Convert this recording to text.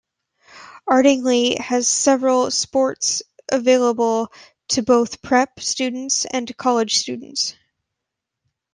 Ardingly has several sports available to both prep students and college students.